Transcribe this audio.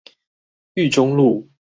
裕忠路